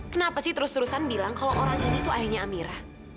kenapa sih terus terusan bilang kalau orang ini tuh ayahnya amirah